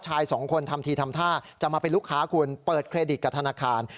ชายสองคนทำทีทำท่าจะมาเป็นลูกค้าคุณเปิดเครดิตกับธนาคาร